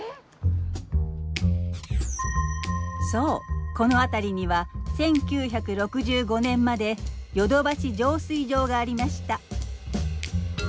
そうこの辺りには１９６５年まで淀橋浄水場がありました。